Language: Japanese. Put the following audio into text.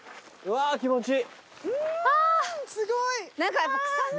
あぁ気持ちいい。